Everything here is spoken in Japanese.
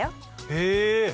へえ！